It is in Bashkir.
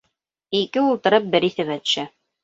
Ике ултырып, бер иҫемә төшә.